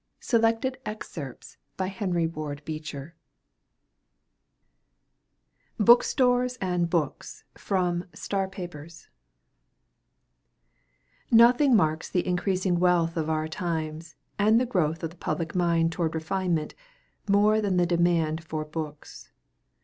[Illustration: Signature: Lyman Abbott] BOOK STORES AND BOOKS From 'Star Papers' Nothing marks the increasing wealth of our times, and the growth of the public mind toward refinement, more than the demand for books.